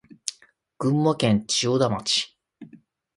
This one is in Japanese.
群馬県千代田町